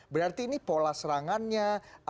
berarti ini pola serangannya